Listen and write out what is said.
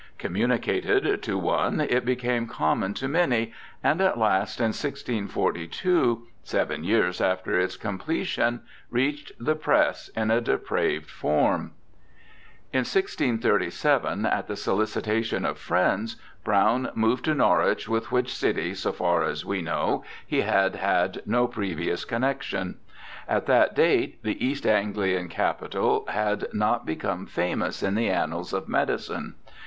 ' Communicated to one it became common to many,' and at last in 1642, seven years after its completion, reached the press in a depraved form. In 1637, at the solicitation of friends, Browne moved to Norwich, with which city, so far as we know, he had had no previous connexion. At that date the East Anglian capital had not become famous in the annals of medicine.